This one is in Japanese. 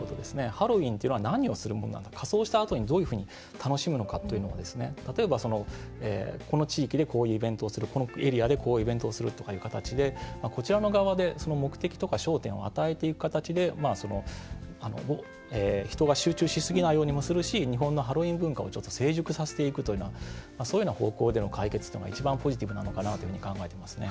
ハロウィーンっていうのは何をするものなのか仮装したあとに、どういうふうに楽しむのかというのも例えば、この地域でこういうイベントをするこのエリアでこういうイベントをするという形で、こちらの側で目的とか、焦点を与えていく形で人が集中しすぎないようにもするし日本のハロウィーン文化を成熟させていくというようなそういうような方向での解決というのが一番ポジティブなのかなというふうに考えてますね。